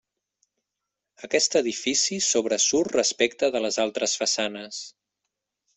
Aquest edifici sobresurt respecte de les altres façanes.